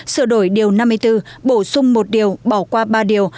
sửa đổi điều năm mươi bốn bổ sung một điều bỏ qua ba điều